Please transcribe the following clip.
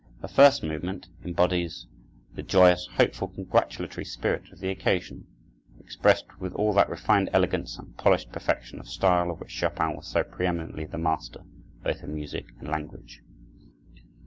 The first movement embodies the joyous, hopeful, congratulatory spirit of the occasion, expressed with all that refined elegance and polished perfection of style of which Chopin was so preëminently the master, both in music and language.